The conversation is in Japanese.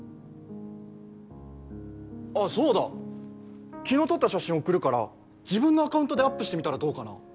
あぁそうだ昨日撮った写真送るから自分のアカウントでアップしてみたらどうかな？